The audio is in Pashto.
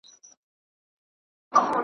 د زړه له درده مي دا غزل ولیکله .